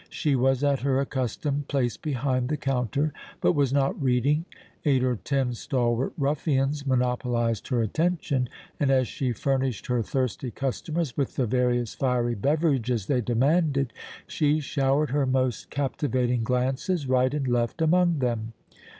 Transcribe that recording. She was at her accustomed place behind the counter, but was not reading; eight or ten stalwart ruffians monopolized her attention and, as she furnished her thirsty customers with the various fiery beverages they demanded, she showered her most captivating glances right and left among them.